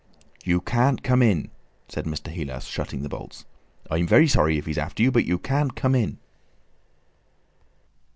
"You can't come in," said Mr. Heelas, shutting the bolts. "I'm very sorry if he's after you, but you can't come in!"